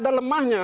jadi ada lemahnya